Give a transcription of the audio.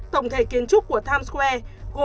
tổng thể kiến trúc của times square